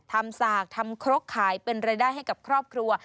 สากทำครกขายเป็นรายได้ให้กับครอบครัว